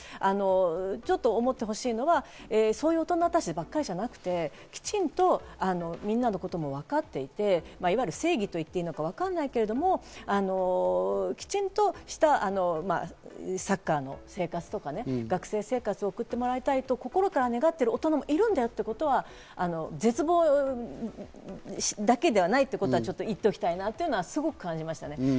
ちょっと思ってほしいのはそういう大人たちばっかりじゃなくて、きちんとみんなのことも分かっていて、いわゆる正義と言っていいのかわかんないけど、きちんとしたサッカーの生活とか学生生活を送ってもらいたいと心から願っている大人もいるんだよということは絶望だけではないということはちょっと言っておきたいなというのはすごく感じました。